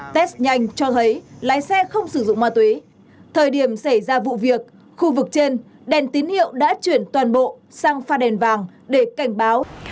test nhanh cho thấy lái xe không sử dụng ma túy thời điểm xảy ra vụ việc khu vực trên đèn tín hiệu đã chuyển toàn bộ sang pha đèn vàng để cảnh báo